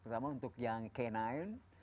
terutama untuk yang canine